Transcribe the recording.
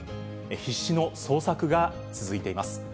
必死の捜索が続いています。